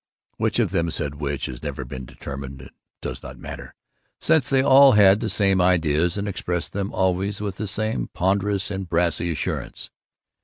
Which of them said which has never been determined, and does not matter, since they all had the same ideas and expressed them always with the same ponderous and brassy assurance.